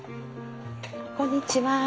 こんにちは。